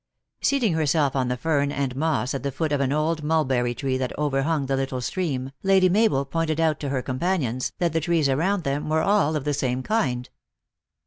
Seating herself on the fern and moss at the foot of an old mulberry tree that overhung the little stream, Lady Mabel pointed out to her companions, that the trees around them were all of the same kind.